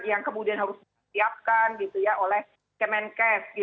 yang kemudian harus disiapkan gitu ya oleh kemenkes